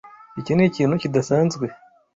Iki nikintu kidasanzwe?